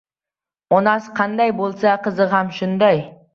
• Onasi qanday bo‘lsa, qizi ham shunday.